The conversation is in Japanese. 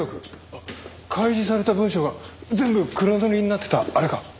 あっ開示された文書が全部黒塗りになってたあれか？